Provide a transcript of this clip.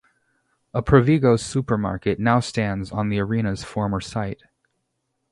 A Provigo supermarket now stands on the arena's former site.